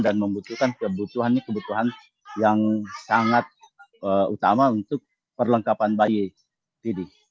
dan membutuhkan kebutuhan kebutuhan yang sangat utama untuk perlengkapan bayi